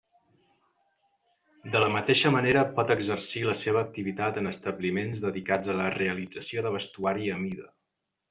De la mateixa manera pot exercir la seva activitat en establiments dedicats a la realització de vestuari a mida.